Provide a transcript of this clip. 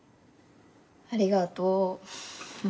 ありがとう。